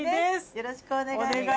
よろしくお願いします。